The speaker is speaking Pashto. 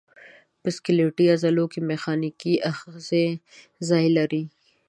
په سکلیټي عضلو کې میخانیکي آخذې ځای لري.